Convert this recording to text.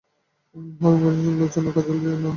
হরিণগর্বমোচন লোচনে কাজল দিয়ো না সরলে!